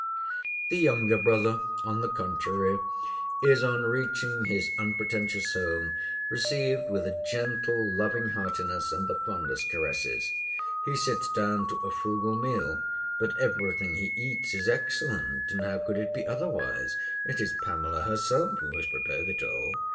The younger brother, on the contrary, is, on reaching his unpretentious home, received with a gentle, loving heartiness and the fondest caresses. He sits down to a frugal meal, but everything he eats is excellent; and how could it be otherwise? It is Pamela herself who has prepared it all.